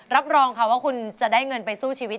รับรองค่ะว่าคุณจะได้เงินไปสู้ชีวิต